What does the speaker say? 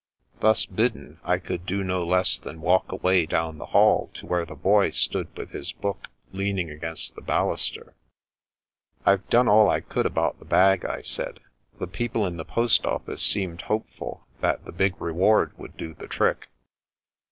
Thus bidden, I could do no less than walk away down the hall to where the Boy stood with his book, leaning against the baluster. "I've done all I could about the bag," I said. Enter the Contessa i8i " The people in the post office seemed hopeful that the big reward would do the trick."